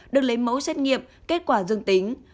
được lấy mẫu xét nghiệm kết quả dương tính